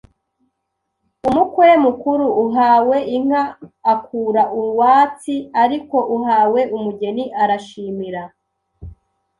Umukwe mukuru: Uhawe inka akura uwatsi ariko uhawe umugeni arashimira